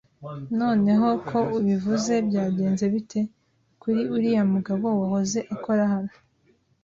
Noneho ko ubivuze, byagenze bite kuri uriya mugabo wahoze akora hano?